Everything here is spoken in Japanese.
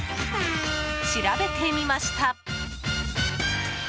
調べてみました。